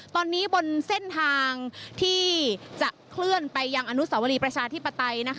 ตอนนี้บนเส้นทางที่จะเคลื่อนไปยังอนุสาวรีประชาธิปไตย